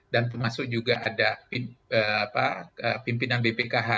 dan termasuk juga ada pimpinan bpkh